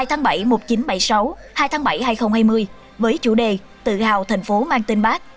hai tháng bảy một nghìn chín trăm bảy mươi sáu hai tháng bảy hai nghìn hai mươi với chủ đề tự hào thành phố mang tên bác